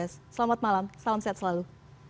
selamat malam salam sehat selalu